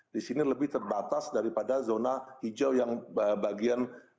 di sini lebih terbatas daripada zona hijau yang bagian